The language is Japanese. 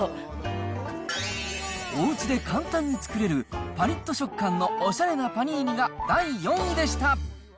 おうちで簡単に作れる、ぱりっと食感のおしゃれなパニーニが第４位でした。